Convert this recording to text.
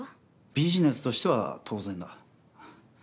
ビジネスとしては当然だ。